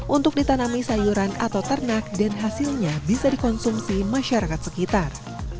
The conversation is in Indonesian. untuk ditanami sayuran atau ternak dan hasilnya bisa dikonsumsi masyarakat sekitar